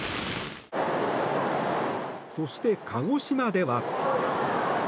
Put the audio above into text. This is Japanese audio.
そして、鹿児島では。